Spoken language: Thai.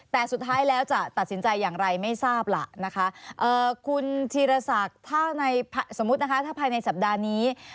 แต่สุดท้ายแล้วจะตัดสินใจอย่างไรไม่ทราบละคุณธิรษัทสมมติถ้าภายในสัปดาห์นี้